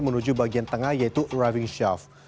menuju bagian tengah yaitu arriving shaft